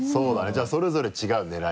じゃあそれぞれ違う狙いが。